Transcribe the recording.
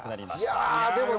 いやでもね。